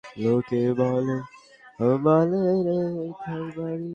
ছোট্ট একটি সিদ্ধান্ত, কিন্তু দীর্ঘদিনের অবহেলার দায় কিছুটা হলেও এতে শোধ হলো।